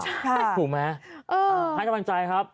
ใช่ภูมิให้กำลังใจครับ